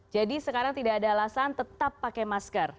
jadi sekarang tidak ada alasan tetap pakai masker